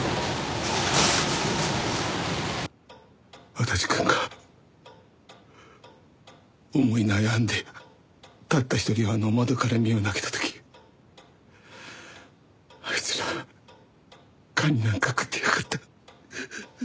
足立くんが思い悩んでたった一人あの窓から身を投げた時あいつらカニなんか食ってやがった。